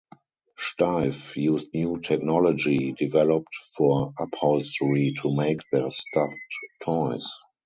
Steiff used new technology developed for upholstery to make their stuffed toys.